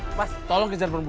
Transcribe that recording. seolah olah kita akan ber volumen